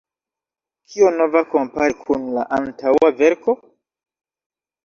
Kio nova kompare kun la antaŭa verko?